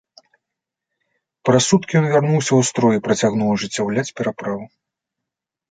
Праз суткі ён вярнуўся ў строй і працягнуў ажыццяўляць пераправу.